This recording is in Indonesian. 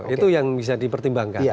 itu yang bisa dipertimbangkan